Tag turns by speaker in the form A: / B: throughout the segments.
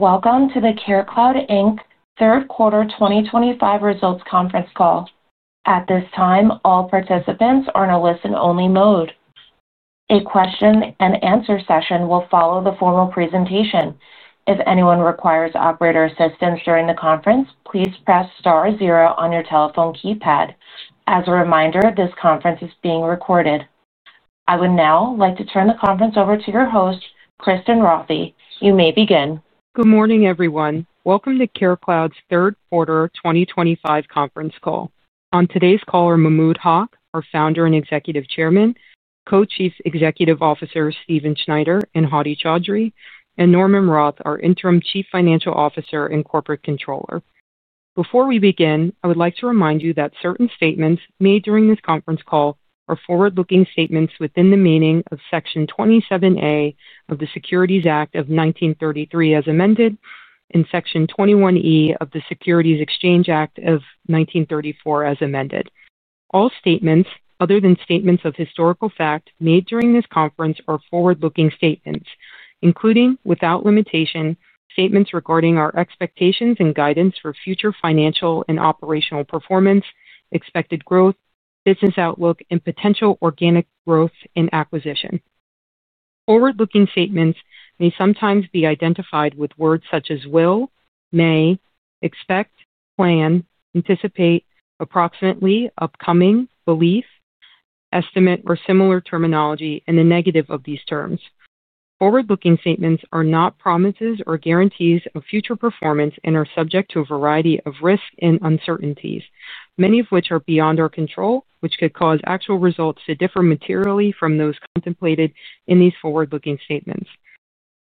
A: Welcome to the CareCloud Inc third quarter 2025 results conference call. At this time, all participants are in a listen-only mode. A question-and-answer session will follow the formal presentation. If anyone requires operator assistance during the conference, please press star zero on your telephone keypad. As a reminder, this conference is being recorded. I would now like to turn the conference over to your host, Kristen Rothe. You may begin.
B: Good morning, everyone. Welcome to CareCloud's third quarter 2025 conference call. On today's call are Mahmud Haq, our Founder and Executive Chairman, Co-Chief Executive Officer Stephen Snyder, and Hadi Chaudhry, and Norman Roth, our Interim Chief Financial Officer and Corporate Controller. Before we begin, I would like to remind you that certain statements made during this conference call are forward-looking statements within the meaning of Section 27A of the Securities Act of 1933 as amended and Section 21E of the Securities Exchange Act of 1934 as amended. All statements other than statements of historical fact made during this conference are forward-looking statements, including, without limitation, statements regarding our expectations and guidance for future financial and operational performance, expected growth, business outlook, and potential organic growth and acquisition. Forward-looking statements may sometimes be identified with words such as will, may, expect, plan, anticipate, approximately, upcoming, belief. Estimate, or similar terminology in the negative of these terms. Forward-looking statements are not promises or guarantees of future performance and are subject to a variety of risks and uncertainties, many of which are beyond our control, which could cause actual results to differ materially from those contemplated in these forward-looking statements.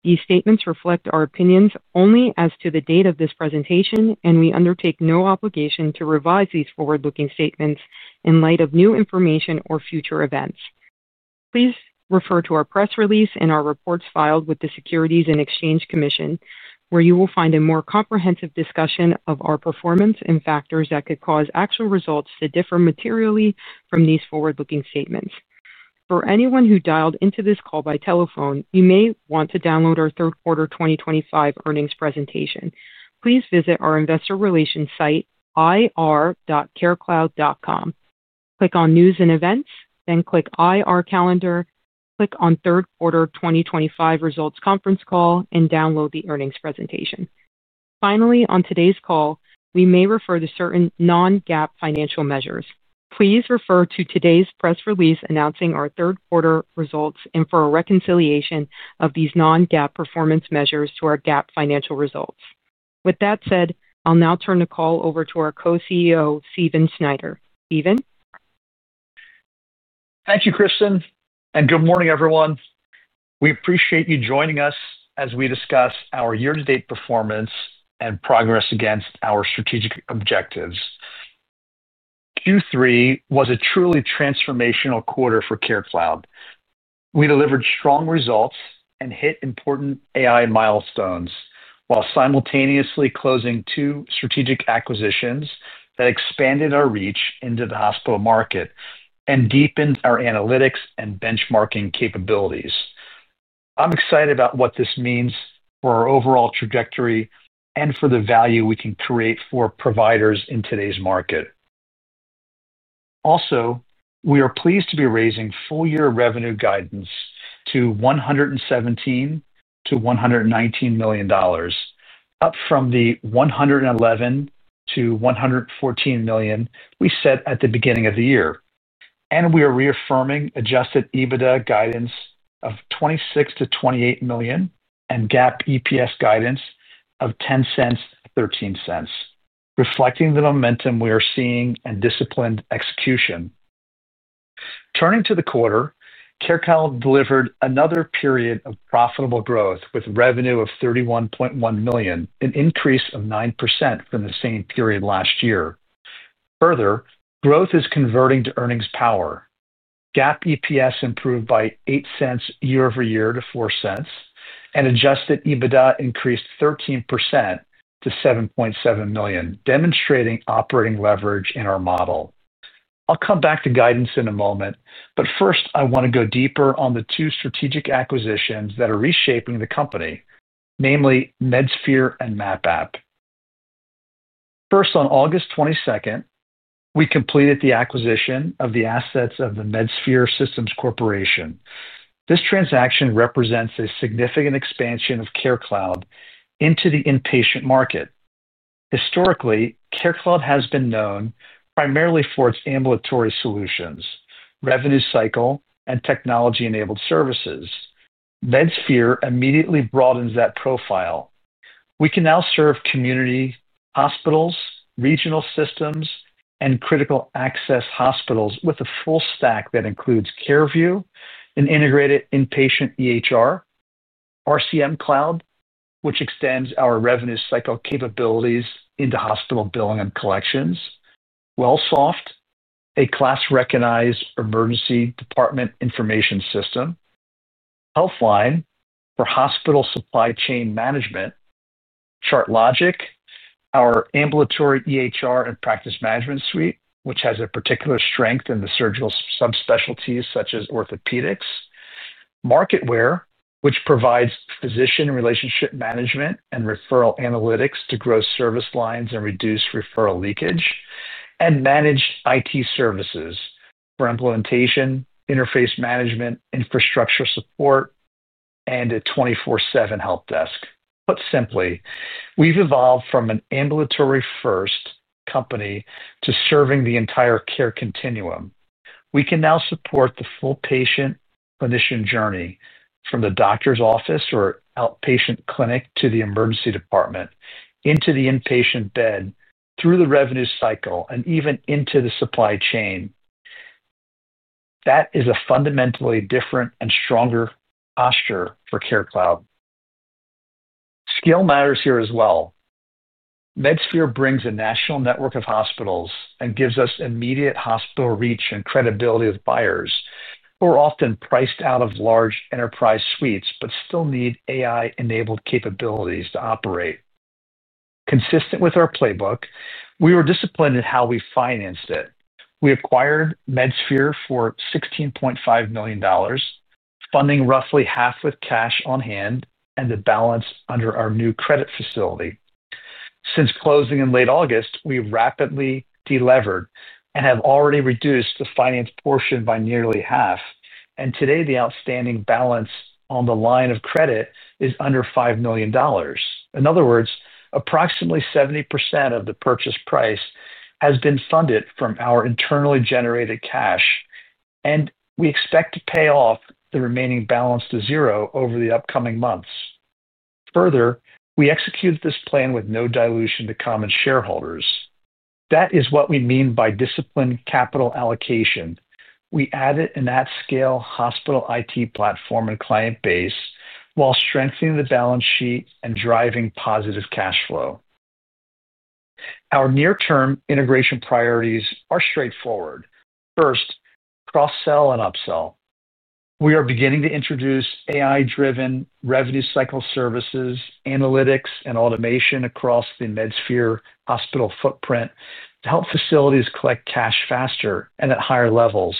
B: These statements reflect our opinions only as to the date of this presentation, and we undertake no obligation to revise these forward-looking statements in light of new information or future events. Please refer to our press release and our reports filed with the Securities and Exchange Commission, where you will find a more comprehensive discussion of our performance and factors that could cause actual results to differ materially from these forward-looking statements. For anyone who dialed into this call by telephone, you may want to download our third quarter 2025 earnings presentation. Please visit our investor relations site, ir.carecloud.com. Click on News and Events, then click IR Calendar, click on third quarter 2025 results conference call, and download the earnings presentation. Finally, on today's call, we may refer to certain non-GAAP financial measures. Please refer to today's press release announcing our third quarter results and for a reconciliation of these non-GAAP performance measures to our GAAP financial results. With that said, I'll now turn the call over to our Co-CEO, Stephen Snyder. Stephen.
C: Thank you, Kristen, and good morning, everyone. We appreciate you joining us as we discuss our year-to-date performance and progress against our strategic objectives. Q3 was a truly transformational quarter for CareCloud. We delivered strong results and hit important AI milestones while simultaneously closing two strategic acquisitions that expanded our reach into the hospital market and deepened our analytics and benchmarking capabilities. I'm excited about what this means for our overall trajectory and for the value we can create for providers in today's market. Also, we are pleased to be raising full-year revenue guidance to $117 million-$119 million, up from the $111 million-$114 million we set at the beginning of the year. We are reaffirming Adjusted EBITDA guidance of $26 million-$28 million and GAAP EPS guidance of $0.13, reflecting the momentum we are seeing and disciplined execution. Turning to the quarter, CareCloud delivered another period of profitable growth with revenue of $31.1 million, an increase of 9% from the same period last year. Further, growth is converting to earnings power. GAAP EPS improved by $0.08 year-over-year to $0.04, and Adjusted EBITDA increased 13% to $7.7 million, demonstrating operating leverage in our model. I'll come back to guidance in a moment, but first, I want to go deeper on the two strategic acquisitions that are reshaping the company, namely MedSphere and MapApp. First, on August 22nd, we completed the acquisition of the assets of the MedSphere Systems Corporation. This transaction represents a significant expansion of CareCloud into the inpatient market. Historically, CareCloud has been known primarily for its ambulatory solutions, revenue cycle, and technology-enabled services. MedSphere immediately broadens that profile. We can now serve community hospitals, regional systems, and critical access hospitals with a full stack that includes CareView, an integrated inpatient EHR. RCM Cloud, which extends our revenue cycle capabilities into hospital billing and collections, WellSoft, a class-recognized emergency department information system, Healthline for hospital supply chain management. ChartLogic, our ambulatory EHR and practice management suite, which has a particular strength in the surgical subspecialties such as orthopedics. MarketWare, which provides physician relationship management and referral analytics to grow service lines and reduce referral leakage, and Managed IT Services for implementation, interface management, infrastructure support. And a 24/7 help desk. Put simply, we've evolved from an ambulatory-first company to serving the entire care continuum. We can now support the full patient-clinician journey from the doctor's office or outpatient clinic to the emergency department, into the inpatient bed, through the revenue cycle, and even into the supply chain. That is a fundamentally different and stronger posture for CareCloud. Scale matters here as well. MedSphere brings a national network of hospitals and gives us immediate hospital reach and credibility with buyers who are often priced out of large enterprise suites but still need AI-enabled capabilities to operate. Consistent with our playbook, we were disciplined in how we financed it. We acquired MedSphere for $16.5 million, funding roughly half with cash on hand and the bAllence under our new credit facility. Since closing in late August, we rapidly delevered and have already reduced the finance portion by nearly half. Today, the outstanding bAllence on the line of credit is under $5 million. In other words, approximately 70% of the purchase price has been funded from our internally generated cash. We expect to pay off the remaining bAllence to zero over the upcoming months. Further, we execute this plan with no dilution to common shareholders. That is what we mean by disciplined capital allocation. We added an at-scale hospital IT platform and client base while strengthening the bAllence sheet and driving positive cash flow. Our near-term integration priorities are straightforward. First, cross-sell and upsell. We are beginning to introduce AI-driven revenue cycle services, analytics, and automation across the MedSphere hospital footprint to help facilities collect cash faster and at higher levels,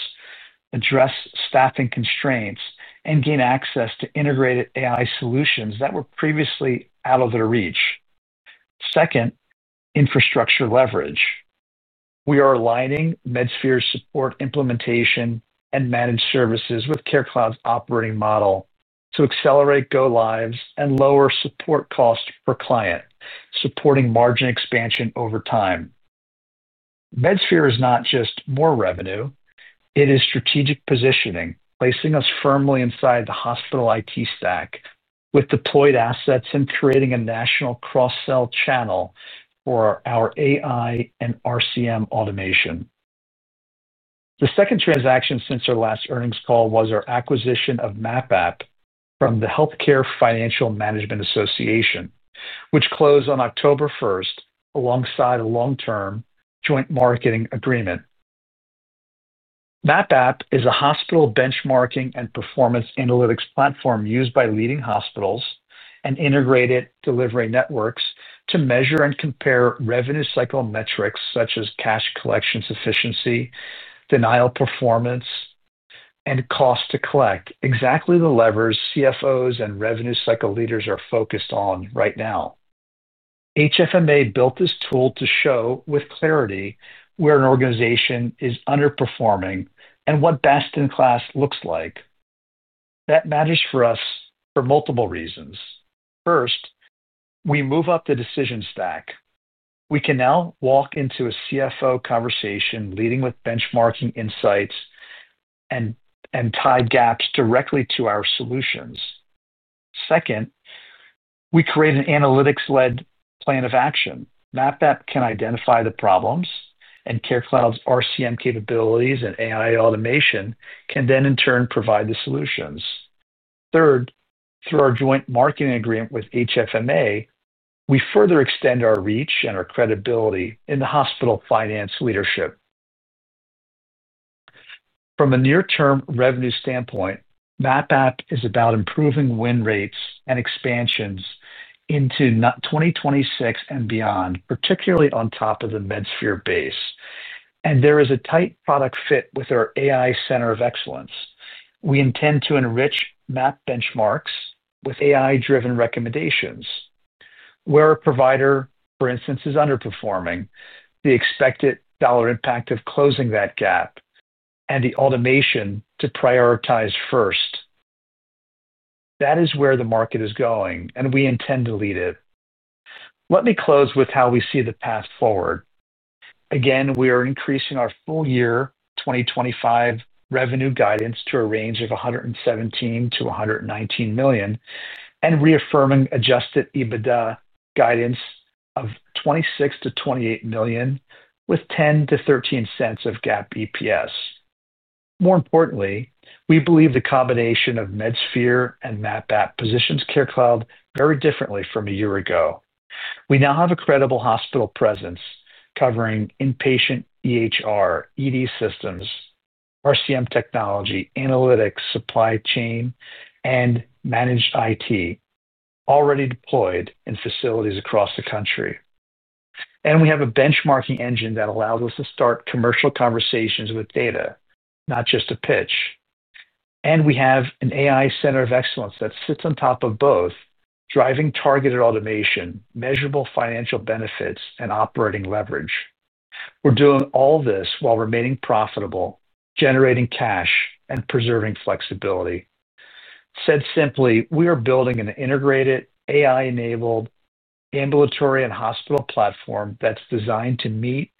C: address staffing constraints, and gain access to integrated AI solutions that were previously out of their reach. Second, infrastructure leverage. We are aligning MedSphere support implementation and managed services with CareCloud's operating model to accelerate go-lives and lower support costs per client, supporting margin expansion over time. MedSphere is not just more revenue. It is strategic positioning, placing us firmly inside the hospital IT stack with deployed assets and creating a national cross-sell channel for our AI and RCM automation. The second transaction since our last earnings call was our acquisition of MapApp from the Healthcare Financial Management Association, which closed on October 1st alongside a long-term joint marketing agreement. MapApp is a hospital benchmarking and performance analytics platform used by leading hospitals and integrated delivery networks to measure and compare revenue cycle metrics such as cash collection sufficiency, denial performance, and cost to collect, exactly the levers CFOs and revenue cycle leaders are focused on right now. HFMA built this tool to show with clarity where an organization is underperforming and what best-in-class looks like. That matters for us for multiple reasons. First, we move up the decision stack. We can now walk into a CFO conversation leading with benchmarking insights. Tie gaps directly to our solutions. Second, we create an analytics-led plan of action. MapApp can identify the problems, and CareCloud's RCM capabilities and AI automation can then, in turn, provide the solutions. Third, through our joint marketing agreement with HFMA, we further extend our reach and our credibility in the hospital finance leadership. From a near-term revenue standpoint, MapApp is about improving win rates and expansions into 2026 and beyond, particularly on top of the MedSphere base. There is a tight product fit with our AI center of excellence. We intend to enrich Map benchmarks with AI-driven recommendations. Where a provider, for instance, is underperforming, the expected dollar impact of closing that gap, and the automation to prioritize first. That is where the market is going, and we intend to lead it. Let me close with how we see the path forward. Again, we are increasing our full-year 2025 revenue guidance to a range of $117 million-$119 million and reaffirming Adjusted EBITDA guidance of $26 million-$28 million with $0.10-$0.13 of GAAP EPS. More importantly, we believe the combination of MedSphere and MapApp positions CareCloud very differently from a year ago. We now have a credible hospital presence covering inpatient EHR, ED systems, RCM technology, analytics, supply chain, and managed IT already deployed in facilities across the country. We have a benchmarking engine that allows us to start commercial conversations with data, not just a pitch. We have an AI center of excellence that sits on top of both, driving targeted automation, measurable financial benefits, and operating leverage. We are doing all this while remaining profitable, generating cash, and preserving flexibility. Said simply, we are building an integrated AI-enabled ambulatory and hospital platform that's designed to meet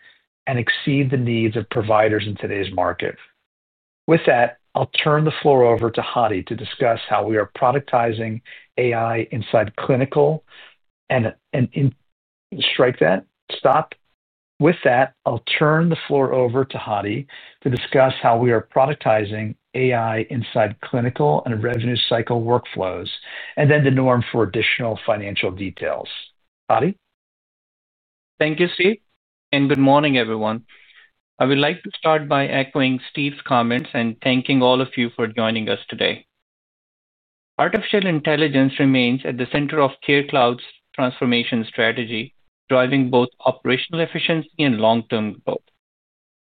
C: and exceed the needs of providers in today's market. With that, I'll turn the floor over to Hadi to discuss how we are productizing AI inside clinical and. Strike that. Stop. With that, I'll turn the floor over to Hadi to discuss how we are productizing AI inside clinical and revenue cycle workflows, and then to Norm for additional financial details. Hadi.
D: Thank you, Steve, and good morning, everyone. I would like to start by echoing Steve's comments and thanking all of you for joining us today. Artificial intelligence remains at the center of CareCloud's transformation strategy, driving both operational efficiency and long-term growth.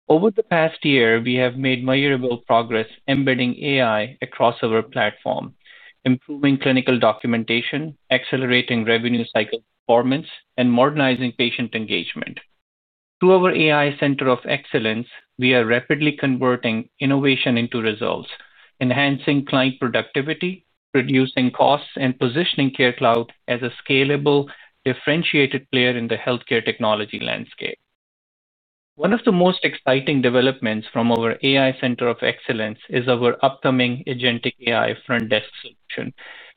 D: Over the past year, we have made measurable progress embedding AI across our platform, improving clinical documentation, accelerating revenue cycle performance, and modernizing patient engagement. Through our AI center of excellence, we are rapidly converting innovation into results, enhancing client productivity, reducing costs, and positioning CareCloud as a scalable, differentiated player in the healthcare technology landscape. One of the most exciting developments from our AI center of excellence is our upcoming Agentic AI Front Desk Solution,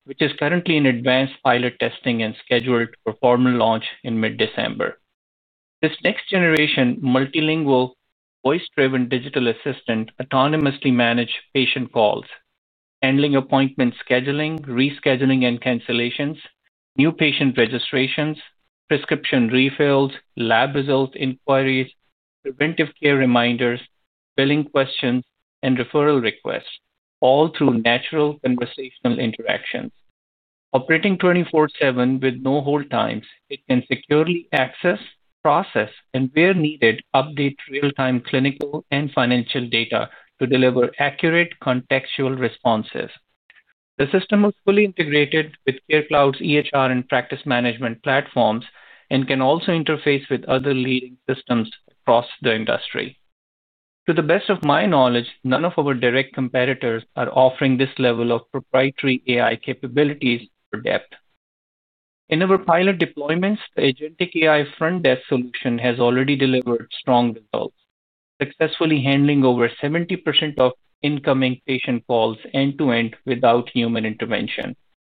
D: which is currently in advanced pilot testing and scheduled for formal launch in mid-December. This next-generation multilingual, voice-driven digital assistant autonomously manages patient calls, handling appointment scheduling, rescheduling and cancellations, new patient registrations, prescription refills, lab results inquiries, preventive care reminders, billing questions, and referral requests, all through natural conversational interactions. Operating 24/7 with no hold times, it can securely access, process, and, where needed, update real-time clinical and financial data to deliver accurate contextual responses. The system was fully integrated with CareCloud's EHR and practice management platforms and can also interface with other leading systems across the industry. To the best of my knowledge, none of our direct competitors are offering this level of proprietary AI capabilities for depth. In our pilot deployments, the agentic AI front desk solution has already delivered strong results, successfully handling over 70% of incoming patient calls end-to-end without human intervention,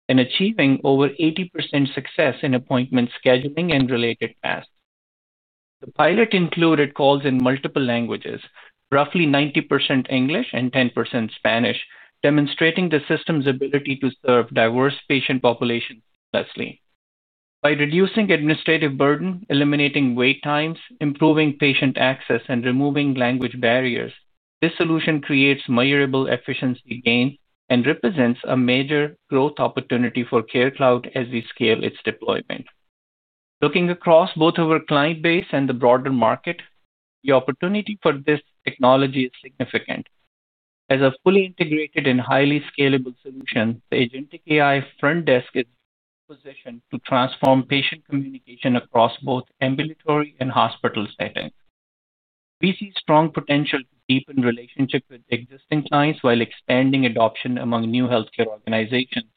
D: and achieving over 80% success in appointment scheduling and related tasks. The pilot included calls in multiple languages, roughly 90% English and 10% Spanish, demonstrating the system's ability to serve diverse patient populations seamlessly. By reducing administrative burden, eliminating wait times, improving patient access, and removing language barriers, this solution creates measurable efficiency gains and represents a major growth opportunity for CareCloud as we scale its deployment. Looking across both our client base and the broader market, the opportunity for this technology is significant. As a fully integrated and highly scalable solution, the agentic AI front desk is positioned to transform patient communication across both ambulatory and hospital settings. We see strong potential to deepen relationships with existing clients while expanding adoption among new healthcare organizations,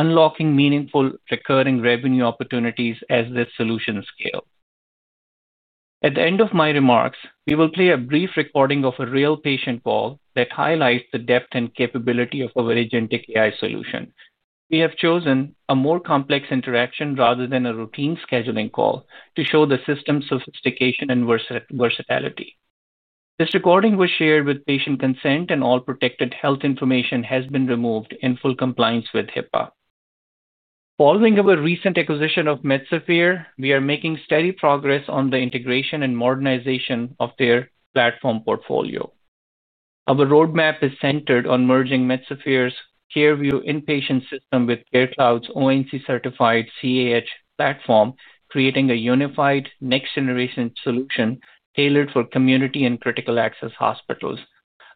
D: unlocking meaningful recurring revenue opportunities as this solution scales. At the end of my remarks, we will play a brief recording of a real patient call that highlights the depth and capability of our agentic AI solution. We have chosen a more complex interaction rather than a routine scheduling call to show the system's sophistication and versatility. This recording was shared with patient consent, and all protected health information has been removed in full compliance with HIPAA. Following our recent acquisition of MedSphere, we are making steady progress on the integration and modernization of their platform portfolio. Our roadmap is centered on merging MedSphere's CareView inpatient system with CareCloud's ONC-certified CAH platform, creating a unified next-generation solution tailored for community and critical access hospitals.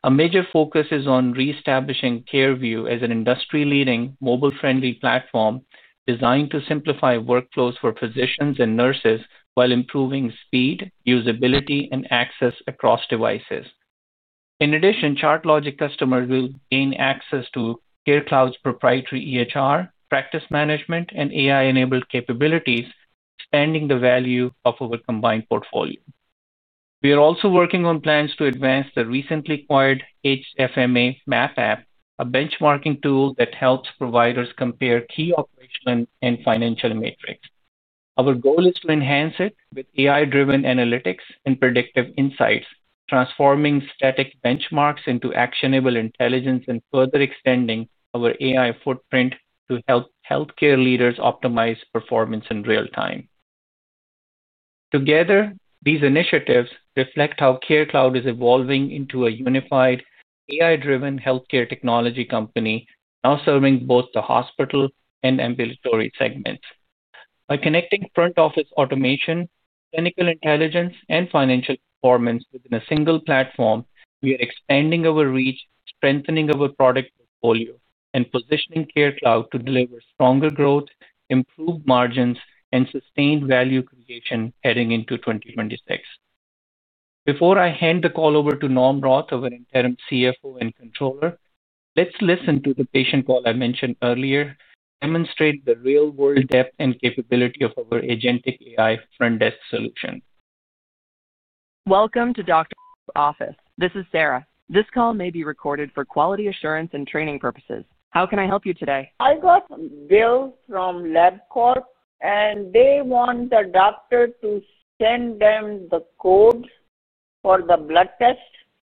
D: A major focus is on re-establishing CareView as an industry-leading mobile-friendly platform designed to simplify workflows for physicians and nurses while improving speed, usability, and access across devices. In addition, ChartLogic customers will gain access to CareCloud's proprietary EHR, practice management, and AI-enabled capabilities, expanding the value of our combined portfolio. We are also working on plans to advance the recently acquired HFMA MapApp, a benchmarking tool that helps providers compare key operational and financial metrics. Our goal is to enhance it with AI-driven analytics and predictive insights, transforming static benchmarks into actionable intelligence and further extending our AI footprint to help healthcare leaders optimize performance in real time. Together, these initiatives reflect how CareCloud is evolving into a unified AI-driven healthcare technology company, now serving both the hospital and ambulatory segments. By connecting front office automation, clinical intelligence, and financial performance within a single platform, we are expanding our reach, strengthening our product portfolio, and positioning CareCloud to deliver stronger growth, improved margins, and sustained value creation heading into 2026. Before I hand the call over to Norm Roth, our Interim CFO and Controller, let's listen to the patient call I mentioned earlier, demonstrating the real-world depth and capability of our Agentic AI Front Desk Solution. Welcome to Dr. Kim Grant's office. This is Sarah. This call may be recorded for quality assurance and training purposes. How can I help you today? I got a bill from LabCorp, and they want the doctor to send them the code for the blood test.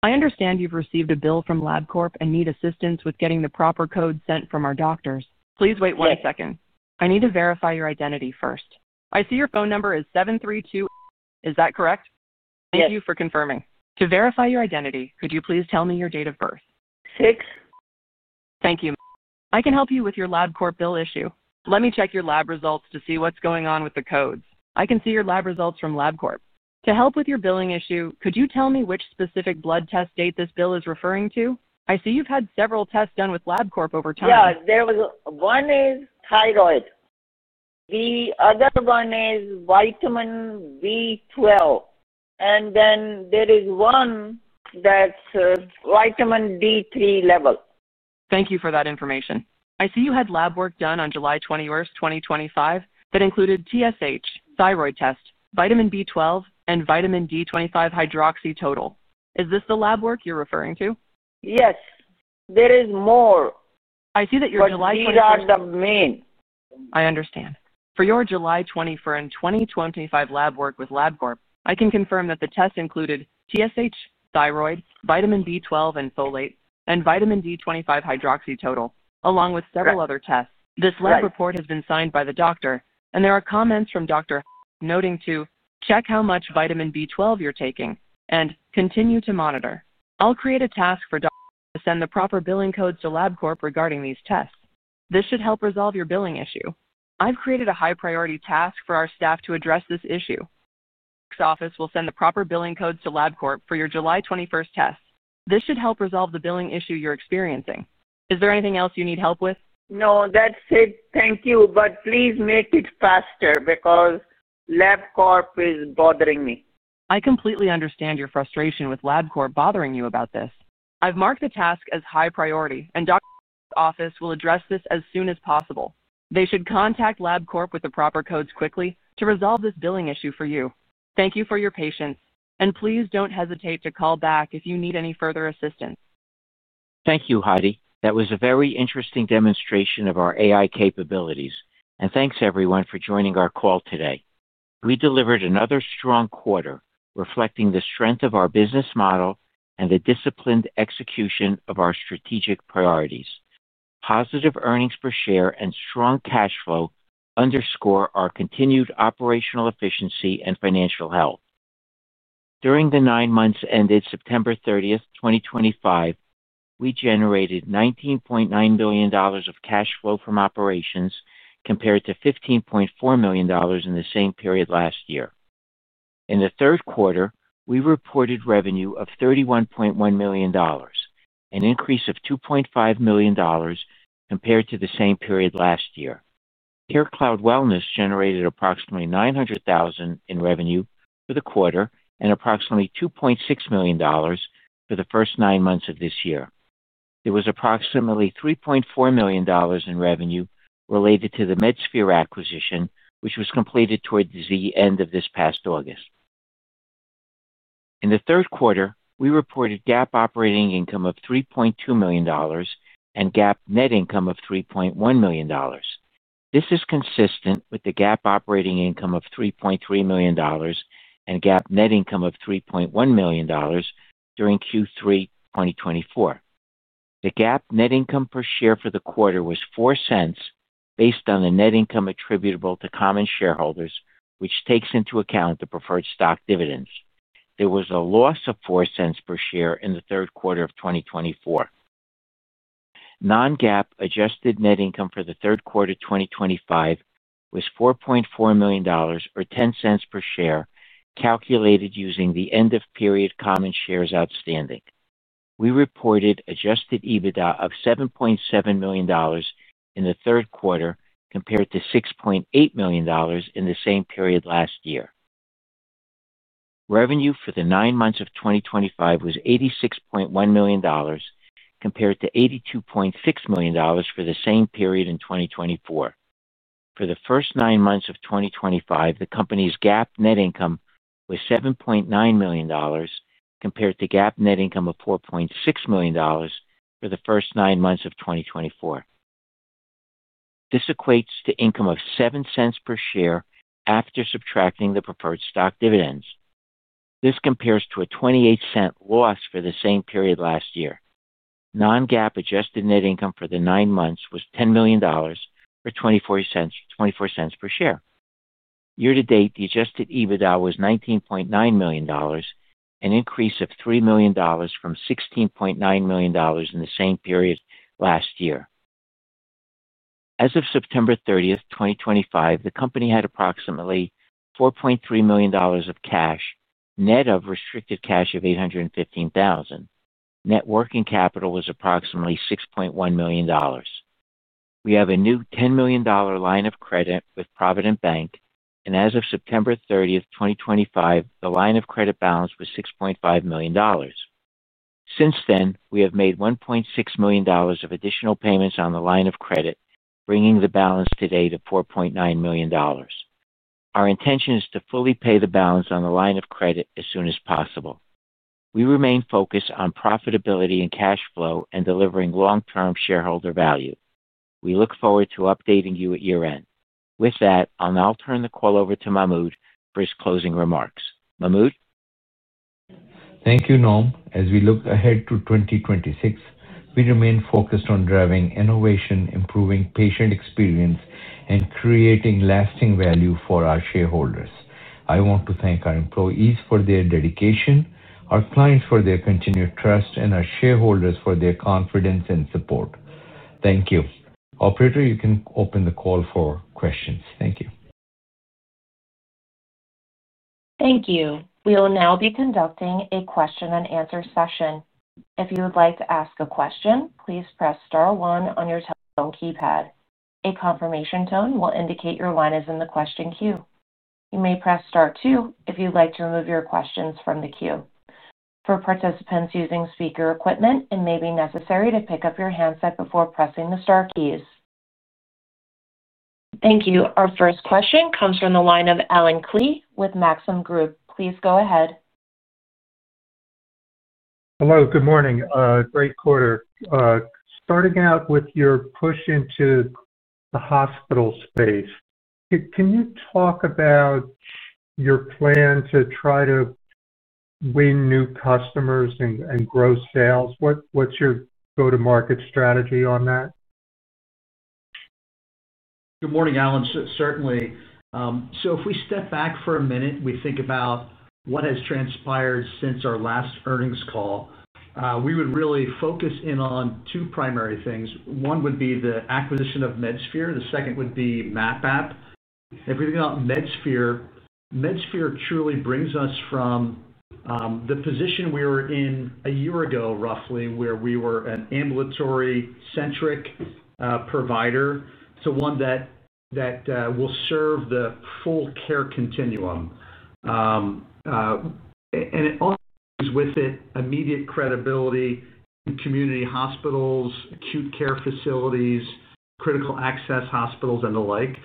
D: I understand you've received a bill from LabCorp and need assistance with getting the proper code sent from our doctors. Please wait one second. Yes. I need to verify your identity first. I see your phone number as 732. Is that correct? Yes. Thank you for confirming. To verify your identity, could you please tell me your date of birth? 6. Thank you. I can help you with your LabCorp bill issue. Let me check your lab results to see what's going on with the codes. I can see your lab results from LabCorp. To help with your billing issue, could you tell me which specific blood test date this bill is referring to? I see you've had several tests done with LabCorp over time. Yeah. One is thyroid. The other one is vitamin B12. There is one that's vitamin D3 level. Thank you for that information. I see you had lab work done on July 21st, 2025 that included TSH, thyroid test, vitamin B12, and vitamin D25 hydroxy total. Is this the lab work you're referring to? Yes. There is more. I see that your July 21st. These are the main. I understand. For your July 21st, 2025 lab work with LabCorp, I can confirm that the tests included TSH, thyroid, vitamin B12 and folate, and vitamin D25 hydroxy total, along with several other tests. Yes. This lab report has been signed by the doctor, and there are comments from Dr. Kim Grant noting to check how much vitamin B12 you're taking and continue to monitor. I'll create a task for Dr. Kim Grant to send the proper billing codes to LabCorp regarding these tests. This should help resolve your billing issue. I've created a high-priority task for our staff to address this issue. Dr. Kim Grant's office will send the proper billing codes to LabCorp for your July 21st test. This should help resolve the billing issue you're experiencing. Is there anything else you need help with? No, that's it. Thank you. Please make it faster because LabCorp is bothering me. I completely understand your frustration with LabCorp bothering you about this. I've marked the task as high priority, and Dr. Kim Grant's office will address this as soon as possible. They should contact LabCorp with the proper codes quickly to resolve this billing issue for you. Thank you for your patience, and please don't hesitate to call back if you need any further assistance.
E: Thank you, Hadi. That was a very interesting demonstration of our AI capabilities, and thanks, everyone, for joining our call today. We delivered another strong quarter reflecting the strength of our business model and the disciplined execution of our strategic priorities. Positive earnings per share and strong cash flow underscore our continued operational efficiency and financial health. During the nine months ended September 30th, 2025, we generated $19.9 million of cash flow from operations compared to $15.4 million in the same period last year. In the third quarter, we reported revenue of $31.1 million, an increase of $2.5 million compared to the same period last year. CareCloud Wellness generated approximately $900,000 in revenue for the quarter and approximately $2.6 million for the first nine months of this year. There was approximately $3.4 million in revenue related to the MedSphere acquisition, which was completed toward the end of this past August. In the third quarter, we reported GAAP operating income of $3.2 million and GAAP net income of $3.1 million. This is consistent with the GAAP operating income of $3.3 million and GAAP net income of $3.1 million during Q3, 2024. The GAAP net income per share for the quarter was $0.04 based on the net income attributable to common shareholders, which takes into account the preferred stock dividends. There was a loss of $0.04 per share in the third quarter of 2024. Non-GAAP adjusted net income for the third quarter of 2025 was $4.4 million, or $0.10 per share, calculated using the end-of-period common shares outstanding. We reported Adjusted EBITDA of $7.7 million in the third quarter compared to $6.8 million in the same period last year. Revenue for the nine months of 2025 was $86.1 million compared to $82.6 million for the same period in 2024. For the first nine months of 2025, the company's GAAP net income was $7.9 million. Compared to GAAP net income of $4.6 million for the first nine months of 2024. This equates to income of $0.07 per share after subtracting the preferred stock dividends. This compares to a $0.28 loss for the same period last year. Non-GAAP adjusted net income for the nine months was $10.44 per share. Year-to-date, the Adjusted EBITDA was $19.9 million, an increase of $3 million from $16.9 million in the same period last year. As of September 30th, 2025, the company had approximately $4.3 million of cash, net of restricted cash of $815,000. Net working capital was approximately $6.1 million. We have a new $10 million line of credit with Provident Bank, and as of September 30th, 2025, the line of credit bAllence was $6.5 million. Since then, we have made $1.6 million of additional payments on the line of credit, bringing the bAllence today to $4.9 million. Our intention is to fully pay the bAllence on the line of credit as soon as possible. We remain focused on profitability and cash flow and delivering long-term shareholder value. We look forward to updating you at year-end. With that, I'll now turn the call over to Mahmud for his closing remarks. Mahmud?
F: Thank you, Norm. As we look ahead to 2026, we remain focused on driving innovation, improving patient experience, and creating lasting value for our shareholders. I want to thank our employees for their dedication, our clients for their continued trust, and our shareholders for their confidence and support. Thank you. Operator, you can open the call for questions. Thank you.
A: Thank you. We will now be conducting a question-and-answer session. If you would like to ask a question, please press star one on your telephone keypad. A confirmation tone will indicate your line is in the question queue. You may press star two if you'd like to remove your questions from the queue. For participants using speaker equipment, it may be necessary to pick up your handset before pressing the star keys. Thank you. Our first question comes from the line of Allen Klee with Maxim Group. Please go ahead.
G: Hello. Good morning. Great quarter. Starting out with your push into the hospital space, can you talk about your plan to try to win new customers and grow sales? What's your go-to-market strategy on that?
C: Good morning, Allen. Certainly. If we step back for a minute and we think about what has transpired since our last earnings call, we would really focus in on two primary things. One would be the acquisition of MedSphere. The second would be MapApp. If we think about MedSphere, MedSphere truly brings us from the position we were in a year ago, roughly, where we were an ambulatory-centric provider to one that will serve the full care continuum. It also brings with it immediate credibility in community hospitals, acute care facilities, critical access hospitals, and the like.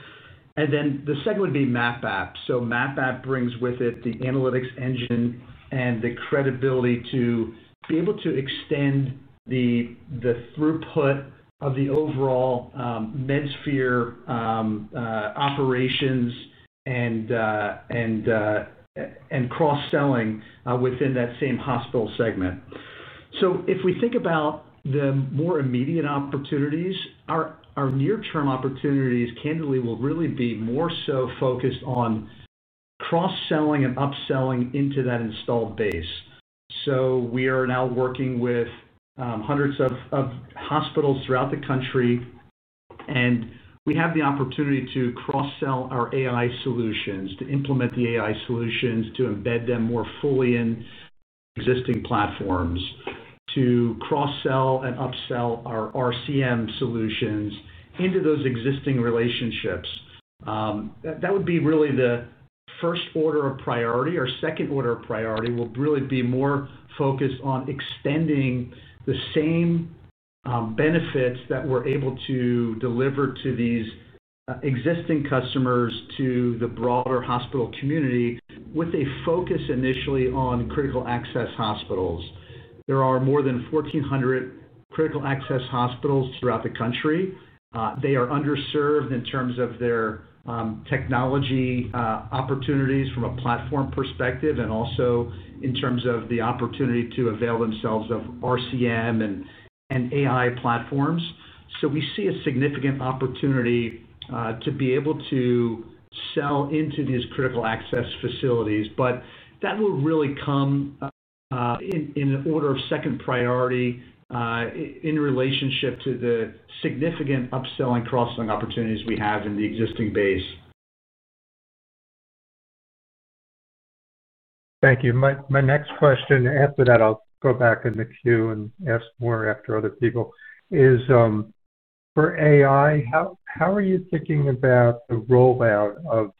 C: The second would be MapApp. MapApp brings with it the analytics engine and the credibility to be able to extend the throughput of the overall MedSphere operations and cross-selling within that same hospital segment. If we think about the more immediate opportunities, our near-term opportunities, candidly, will really be more so focused on cross-selling and upselling into that installed base. We are now working with hundreds of hospitals throughout the country, and we have the opportunity to cross-sell our AI solutions, to implement the AI solutions, to embed them more fully in existing platforms, to cross-sell and upsell our RCM solutions into those existing relationships. That would be really the first order of priority. Our second order of priority will really be more focused on extending the same benefits that we're able to deliver to these existing customers to the broader hospital community with a focus initially on critical access hospitals. There are more than 1,400 critical access hospitals throughout the country. They are underserved in terms of their technology opportunities from a platform perspective and also in terms of the opportunity to avail themselves of RCM and AI platforms. We see a significant opportunity to be able to sell into these critical access facilities. That will really come in an order of second priority in relationship to the significant upsell and cross-selling opportunities we have in the existing base.
G: Thank you. My next question, after that, I'll go back in the queue and ask more after other people, is, for AI, how are you thinking about the rollout of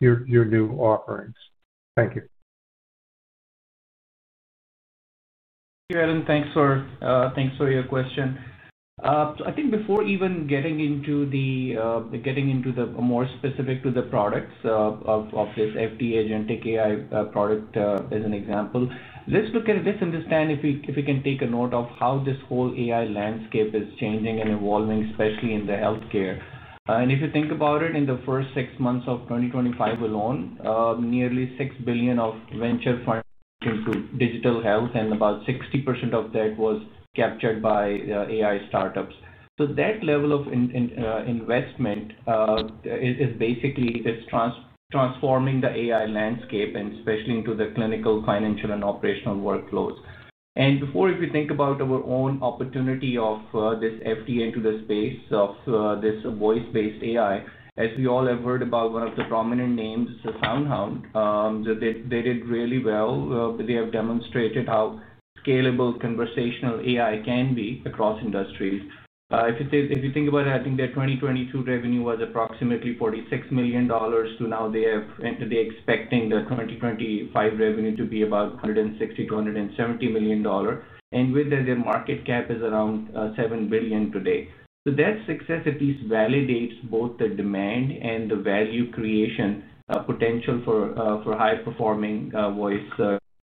G: your new offerings? Thank you.
D: Thank you, Allen. Thanks for your question. I think before even getting into the more specific to the products of this FDA-genetic AI product as an example, let's look at it. Let's understand if we can take a note of how this whole AI landscape is changing and evolving, especially in the healthcare. If you think about it, in the first six months of 2025 alone, nearly $6 billion of venture funds went to digital health, and about 60% of that was captured by AI startups. That level of investment is basically transforming the AI landscape, and especially into the clinical, financial, and operational workloads. Before, if you think about our own opportunity of this FDA into the space of this voice-based AI, as we all have heard about one of the prominent names, the SoundHound, they did really well. They have demonstrated how scalable conversational AI can be across industries. If you think about it, I think their 2022 revenue was approximately $46 million. Now they are expecting their 2025 revenue to be about $160 million-$170 million. With that, their market cap is around $7 billion today. That success at least validates both the demand and the value creation potential for high-performing voice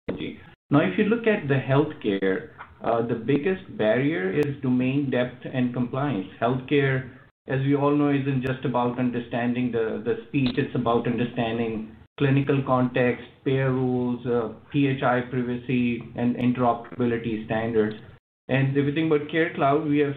D: technology. If you look at healthcare, the biggest barrier is domain depth and compliance. Healthcare, as we all know, is not just about understanding the speech. It is about understanding clinical context, payer rules, PHI privacy, and interoperability standards. If you think about CareCloud, we have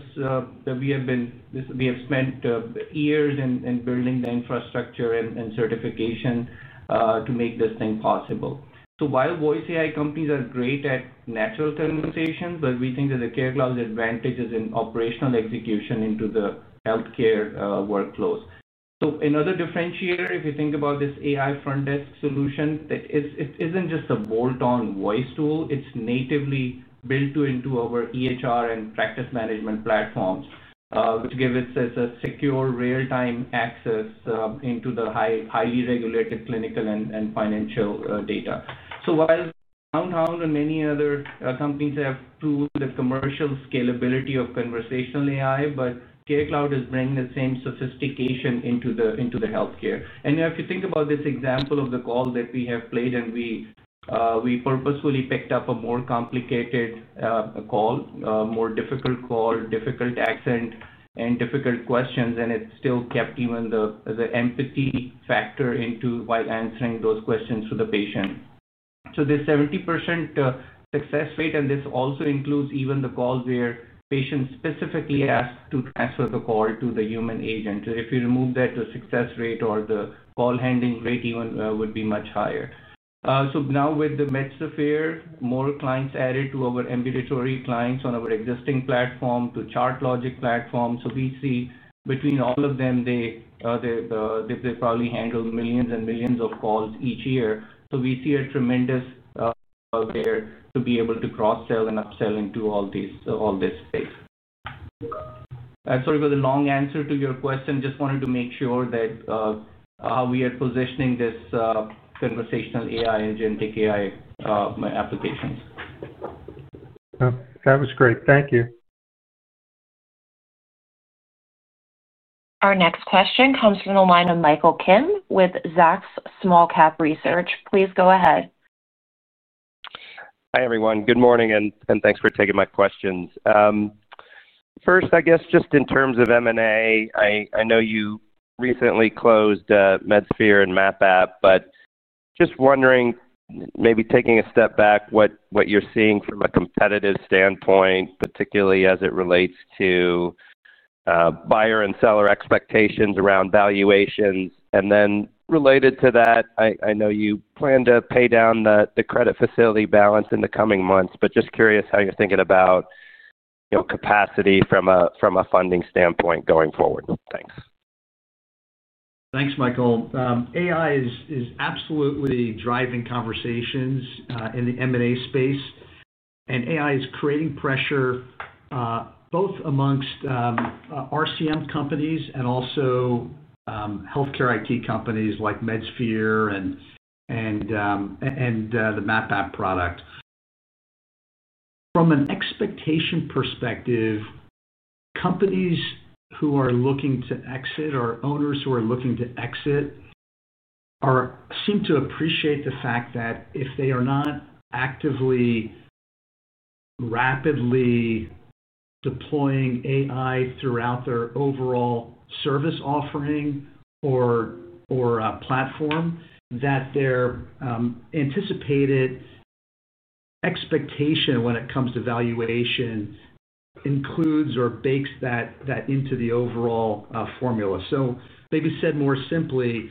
D: spent years in building the infrastructure and certification to make this thing possible. While voice AI companies are great at natural conversations, we think that CareCloud's advantage is in operational execution into the healthcare workloads. Another differentiator, if you think about this AI front desk solution, it is not just a bolt-on voice tool. It is natively built into our EHR and practice management platforms, which gives us secure real-time access into the highly regulated clinical and financial data. While SoundHound and many other companies have proved the commercial scalability of conversational AI, CareCloud is bringing the same sophistication into healthcare. If you think about this example of the call that we have played, we purposefully picked up a more complicated call, a more difficult call, difficult accent, and difficult questions, and it still kept even the empathy factor in while answering those questions to the patient. This 70%. Success rate, and this also includes even the call where patients specifically ask to transfer the call to the human agent. If you remove that, the success rate or the call handling rate even would be much higher. Now with the MedSphere, more clients added to our ambulatory clients on our existing platform to ChartLogic platform. We see between all of them, they probably handle millions and millions of calls each year. We see a tremendous opportunity there to be able to cross-sell and upsell into all this space. Sorry for the long answer to your question. Just wanted to make sure that it is clear how we are positioning this conversational AI and genetic AI applications.
G: That was great. Thank you.
A: Our next question comes from the line of Michael Kim with Zacks Small Cap Research. Please go ahead.
H: Hi, everyone. Good morning, and thanks for taking my questions. First, I guess just in terms of M&A, I know you recently closed MedSphere and MapApp, but just wondering, maybe taking a step back, what you're seeing from a competitive standpoint, particularly as it relates to buyer and seller expectations around valuations. Then related to that, I know you plan to pay down the credit facility bAllence in the coming months, but just curious how you're thinking about capacity from a funding standpoint going forward. Thanks.
C: Thanks, Michael. AI is absolutely driving conversations in the M&A space. AI is creating pressure both amongst RCM companies and also healthcare IT companies like MedSphere and the MapApp product. From an expectation perspective, companies who are looking to exit or owners who are looking to exit seem to appreciate the fact that if they are not actively, rapidly deploying AI throughout their overall service offering or platform, their anticipated expectation when it comes to valuation includes or bakes that into the overall formula. Maybe said more simply,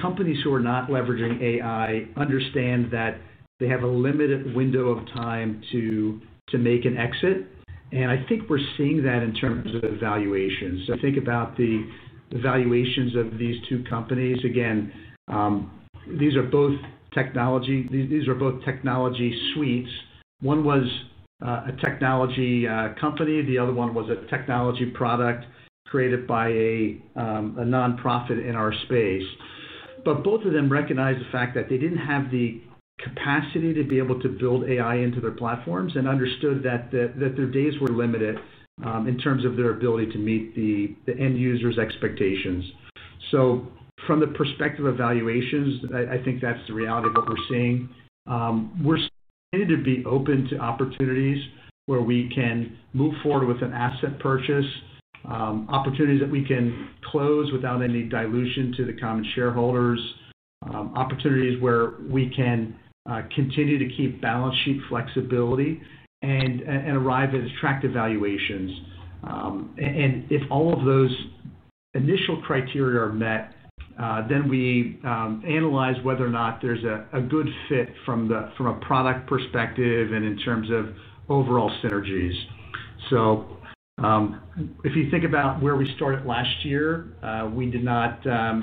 C: companies who are not leveraging AI understand that they have a limited window of time to make an exit. I think we're seeing that in terms of valuations. Think about the valuations of these two companies. Again, these are both technology suites. One was a technology company. The other one was a technology product created by a. Nonprofit in our space. Both of them recognize the fact that they did not have the capacity to be able to build AI into their platforms and understood that their days were limited in terms of their ability to meet the end user's expectations. From the perspective of valuations, I think that is the reality of what we are seeing. We are starting to be open to opportunities where we can move forward with an asset purchase, opportunities that we can close without any dilution to the common shareholders, opportunities where we can continue to keep bAllence sheet flexibility, and arrive at attractive valuations. If all of those initial criteria are met, then we analyze whether or not there is a good fit from a product perspective and in terms of overall synergies. If you think about where we started last year, we did not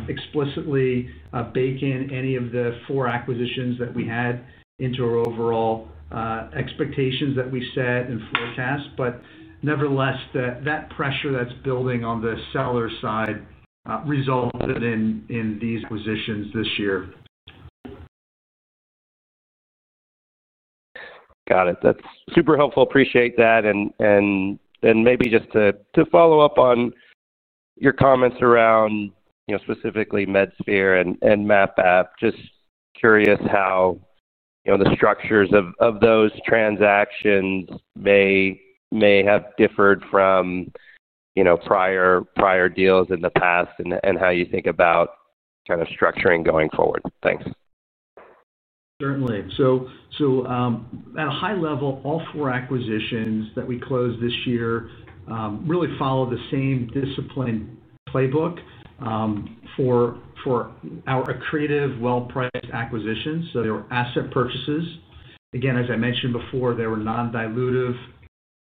C: explicitly bake in any of the four acquisitions that we had into our overall expectations that we set and forecast. Nevertheless, that pressure that's building on the seller side resulted in these acquisitions this year.
H: Got it. That's super helpful. Appreciate that. Maybe just to follow-up on your comments around specifically MedSphere and MapApp, just curious how the structures of those transactions may have differed from prior deals in the past and how you think about kind of structuring going forward. Thanks.
C: Certainly. At a high level, all four acquisitions that we closed this year really follow the same discipline playbook for creative, well-priced acquisitions. They were asset purchases. Again, as I mentioned before, they were non-dilutive,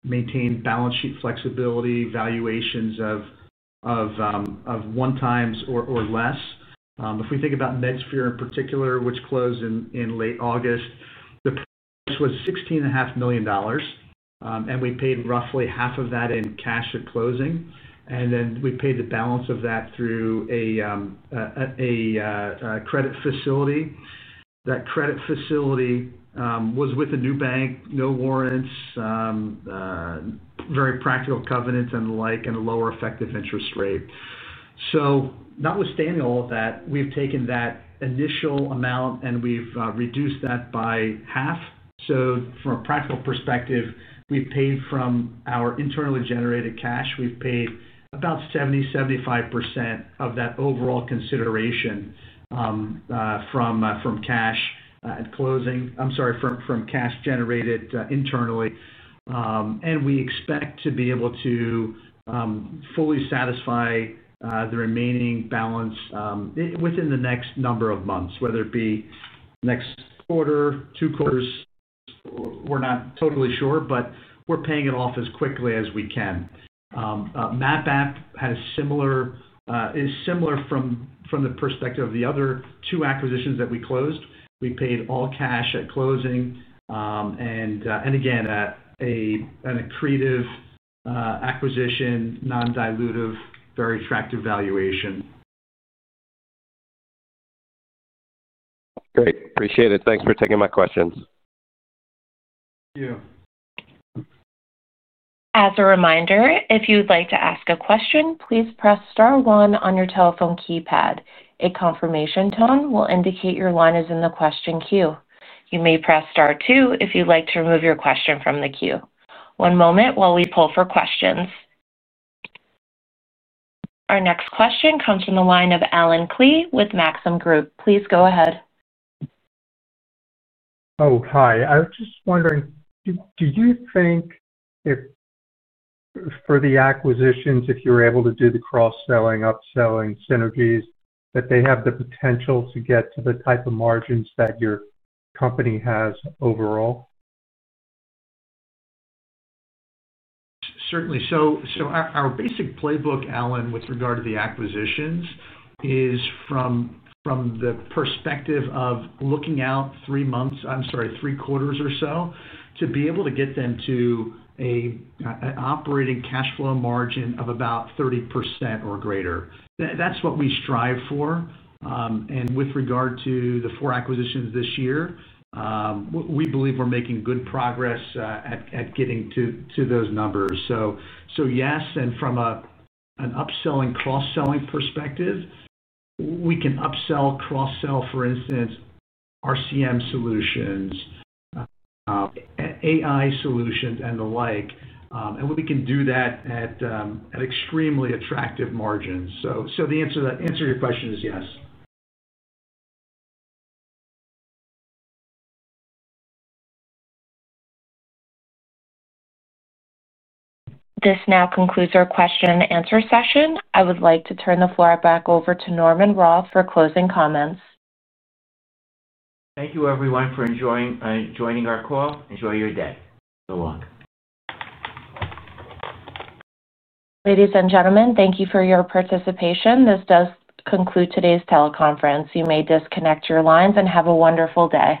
C: maintained bAllence sheet flexibility, valuations of one times or less. If we think about MedSphere in particular, which closed in late August, the price was $16.5 million. We paid roughly half of that in cash at closing, and then we paid the bAllence of that through a credit facility. That credit facility was with a new bank, no warrants, very practical covenants and the like, and a lower effective interest rate. Notwithstanding all of that, we've taken that initial amount, and we've reduced that by half. From a practical perspective, we've paid from our internally generated cash. We've paid about 70%-75% of that overall consideration. Cash at closing, I'm sorry, from cash generated internally. We expect to be able to fully satisfy the remaining bAllence within the next number of months, whether it be next quarter or two quarters. We're not totally sure, but we're paying it off as quickly as we can. MapApp is similar from the perspective of the other two acquisitions that we closed. We paid all cash at closing. Again, a creative acquisition, non-dilutive, very attractive valuation.
H: Great. Appreciate it. Thanks for taking my questions.
C: Thank you.
A: As a reminder, if you'd like to ask a question, please press star one on your telephone keypad. A confirmation tone will indicate your line is in the question queue. You may press star two if you'd like to remove your question from the queue. One moment while we pull for questions. Our next question comes from the line of Allen Klee with Maxim Group. Please go ahead.
G: Oh, hi. I was just wondering, do you think for the acquisitions, if you're able to do the cross-selling, upselling, synergies, that they have the potential to get to the type of margins that your company has overall?
C: Certainly. Our basic playbook, Allen, with regard to the acquisitions, is from the perspective of looking out three quarters or so to be able to get them to an operating cash flow margin of about 30% or greater. That is what we strive for. With regard to the four acquisitions this year, we believe we are making good progress at getting to those numbers. Yes. From an upselling, cross-selling perspective, we can upsell, cross-sell, for instance, RCM solutions, AI solutions, and the like. We can do that at extremely attractive margins. The answer to your question is yes.
A: This now concludes our question-and-answer session. I would like to turn the floor back over to Norman Roth for closing comments.
E: Thank you, everyone, for joining our call. Enjoy your day. So long.
A: Ladies and gentlemen, thank you for your participation. This does conclude today's teleconference. You may disconnect your lines and have a wonderful day.